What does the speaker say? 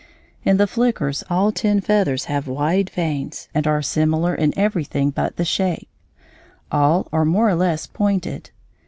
In the flickers all ten feathers have wide vanes and are similar in everything but the shape; all are more or less pointed.